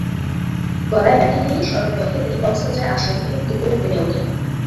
গলায় ব্যথা নিয়েই সড়কপথে তিনি কক্সবাজার আসেন এবং দুপুরে প্লেনে ওঠেন।